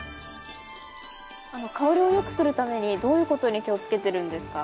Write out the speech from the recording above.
香りをよくするためにどういうことに気をつけてるんですか？